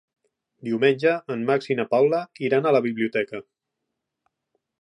Diumenge en Max i na Paula iran a la biblioteca.